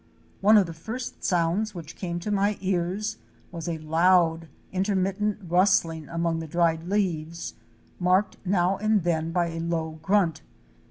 One of the first sounds which came to my ears was a loud, intermittent rustling among the dried leaves, marked now and then by a low grunt.